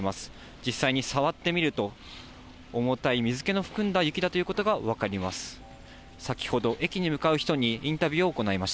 実際に触ってみると、重たい水けの含んだ雪だということが分かります。